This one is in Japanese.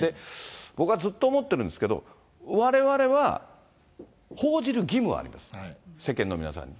僕はずっと思ってるんですけど、われわれは報じる義務はあります、世間の皆さんに。